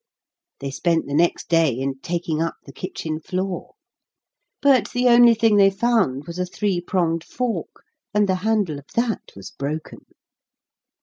They spent the next day in taking up the kitchen floor; but the only thing they found was a three pronged fork, and the handle of that was broken.